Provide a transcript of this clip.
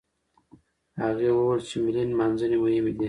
هغه وويل چې ملي نمانځنې مهمې دي.